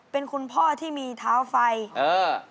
เป็นคุณพ่อที่มีเท้าไฟเออ